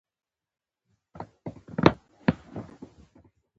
د پټي او پولې قیصه مه کوه.